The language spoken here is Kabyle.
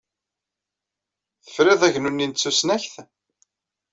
Tefriḍ agnu-nni n tusnakt?